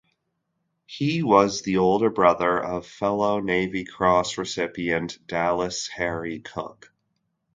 He was the older brother of fellow Navy Cross recipient Dallas Harry Cook.